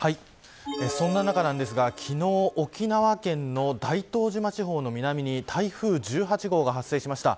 そんな中昨日、沖縄県の大東島地方の南に台風１８号が発生しました。